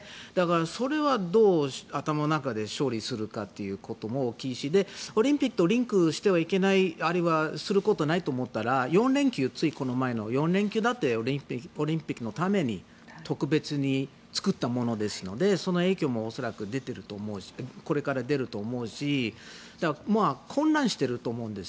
それはどう頭の中で処理するかというのも大きいしオリンピックとリンクしてはいけないあるいはすることないと思ったらついこの前の４連休だってオリンピックのために特別に作ったものですのでその影響もこれから出ると思うし混乱してると思うんです。